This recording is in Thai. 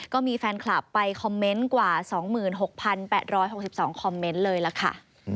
ก็มีแฟนคลับไปคอมเมนต์กว่า๒๖๘๖๒คอมเมนต์เลยล่ะค่ะ